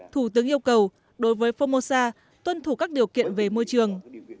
thủ tướng yêu cầu đối với formosa tuân thủ các điều kiện về môi trường